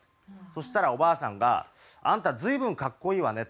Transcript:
そしたらおばあさんが「あんた随分格好いいわね」